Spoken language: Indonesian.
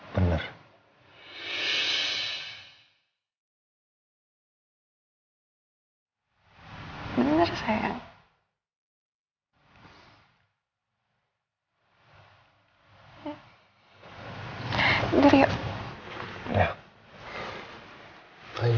mungkin juga karena aku lagi melo kali ya